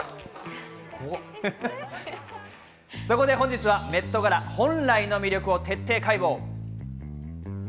そこで本日はＭＥＴガラ、本来の魅力を徹底解剖。